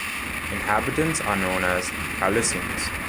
Inhabitants are known as "Chalusiens".